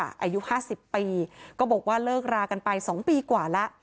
อายุ๕๐ปีก็บอกว่าเลิกรากันไป๒ปีกว่าแล้ว